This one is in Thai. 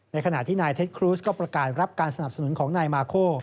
ขณะที่นายเท็จครูสก็ประกาศรับการสนับสนุนของนายมาโค